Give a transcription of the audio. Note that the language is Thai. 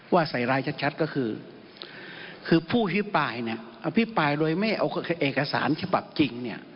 ว่าใส่ร้ายชัดก็คือคือผู้พิพายเนี่ยพิพายโดยไม่เอาเอกสารฉบับจริงเนี่ย